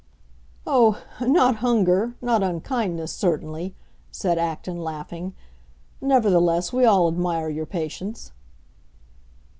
"Oh, not hunger, not unkindness, certainly," said Acton, laughing. "Nevertheless, we all admire your patience."